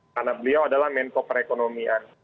karena beliau adalah mentor perekonomian